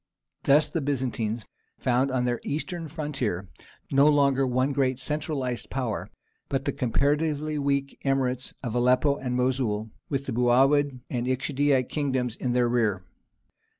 Thus the Byzantines found on their eastern frontier no longer one great centralized power, but the comparatively weak Emirates of Aleppo and Mosul, with the Buhawid and Ikshidite kingdoms in their rear.